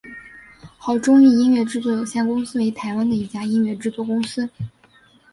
好钟意音乐制作有限公司为台湾的一家音乐制作公司。